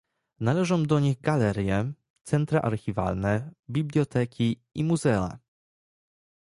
Należą do nich galerie, centra archiwalne, biblioteki i muzea